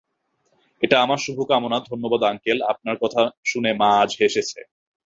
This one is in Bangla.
এটা আমার শুভ কামনা - ধন্যবাদ আঙ্কেল, আপনার কথা শুনে মা আজ হেসেছে।